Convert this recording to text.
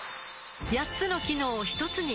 ８つの機能をひとつに